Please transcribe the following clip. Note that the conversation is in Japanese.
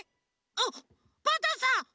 あっパンタンさん！？